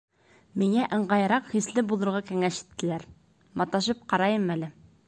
Миңә ыңғайыраҡ хисле булырға кәңәш иттеләр. Маташып ҡарайым әле.